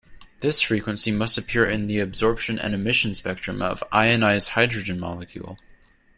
This frequency must appear in the absorption and emission spectrum of ionized hydrogen molecule.